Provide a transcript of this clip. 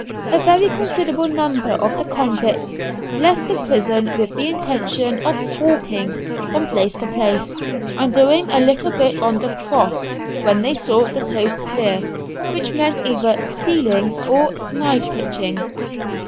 A very considerable number of the convicts left the prison with the intention of "hawking" from place to place, and doing a little bit on the "cross" when they saw the coast clear, which meant either stealing or "snyde pitching."